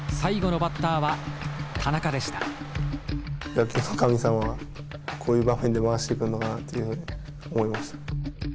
野球の神様はこういう場面で回してくるのかなっていうので思いました。